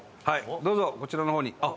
どうぞこちらの方に。